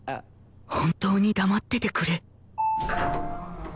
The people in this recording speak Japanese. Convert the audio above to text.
本当に黙っててくれ